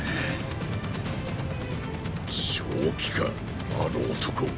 正気かあの男。